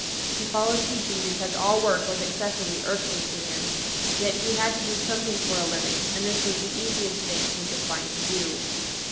He followed teaching because all work was excessively irksome to him, yet he had to do something for a living, and this was the easiest thing he could find to do.